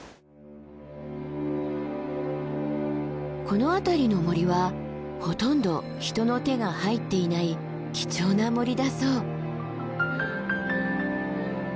この辺りの森はほとんど人の手が入っていない貴重な森だそう。